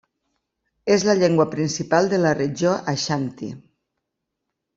És la llengua principal de la regió Aixanti.